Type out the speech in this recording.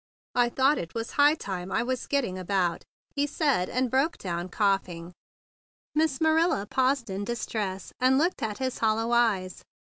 "I thought it was high time I was getting about," he said, and broke down coughing. Miss Marilla paused in distress, and looked at his hollow eyes.